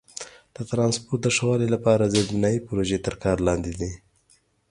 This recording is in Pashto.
د ترانسپورت د ښه والي لپاره زیربنایي پروژې تر کار لاندې دي.